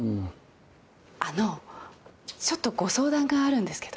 あのちょっとご相談があるんですけど。